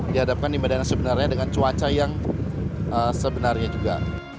dihadapkan di medan yang sebenarnya dengan cuaca yang sebenarnya juga